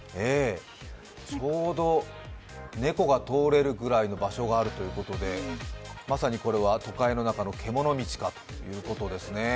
ちょうど猫が通れるぐらいの場所があるということでまさにこれは都会の中のけもの道かということですね。